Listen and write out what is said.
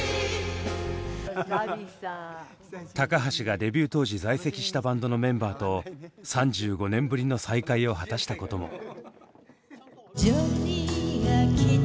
橋がデビュー当時在籍したバンドのメンバーと３５年ぶりの再会を果たしたことも。